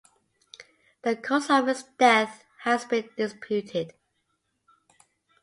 The cause of his death has been disputed.